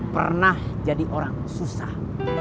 pernah jadi orang susah